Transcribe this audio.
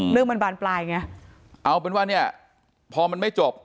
เรื่องมันบานปลายไงเอาเป็นว่าเนี่ยพอมันไม่จบ